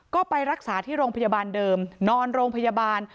ก็ไปรักษาที่โรงพยาบาลเดิมนอนโรงพยาบาล